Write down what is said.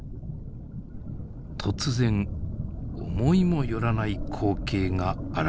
突然思いも寄らない光景が現れました。